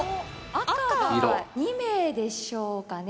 赤が２名でしょうかね。